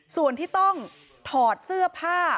ส่วนที่ต้องถอดเสื้อผ้า